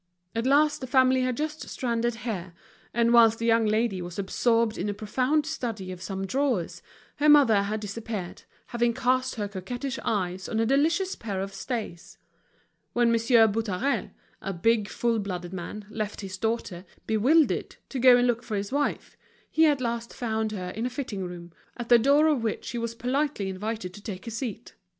At last the family had just stranded here; and whilst the young lady was absorbed in a profound study of some drawers, the mother had disappeared, having cast her coquettish eyes on a delicious pair of stays. When Monsieur Boutarel, a big, full blooded man, left his daughter, bewildered, to go and look for his wife, he at last found her in a fitting room, at the door of which he was politely invited to take a seat.